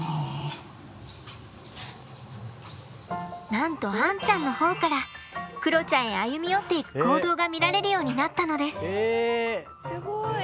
なんとアンちゃんの方からクロちゃんへ歩み寄っていく行動が見られるようになったのです！